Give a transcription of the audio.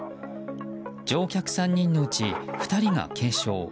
乗客３人のうち２人が軽傷。